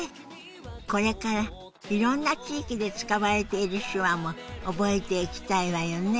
これからいろんな地域で使われている手話も覚えていきたいわよね。